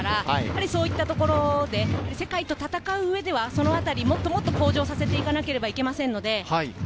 そういったところで、世界と戦う上ではそのあたり、もっと向上させていかなければいけません。